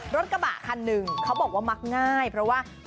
รถกระบะคันหนึ่งเขาบอกว่ามักง่ายเพราะว่า